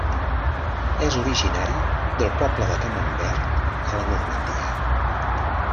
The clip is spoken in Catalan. És originari del poble de Camembert, a la Normandia.